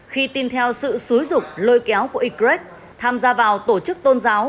khi tin theo sự xúi dụng lôi kéo của y tham gia vào tổ chức tôn giáo